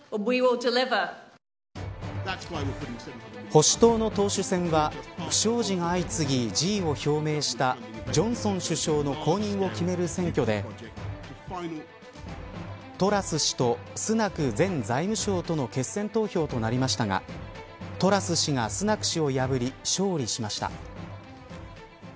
保守党の党首選は不祥事が相次ぎ辞意を表明したジョンソン首相の後任を決める選挙でトラス氏とスナク前財務相との決選投票となりましたがトラス氏がスナク氏を破り、勝利しました。